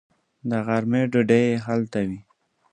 د غرمې ډوډۍ یې هلته وي.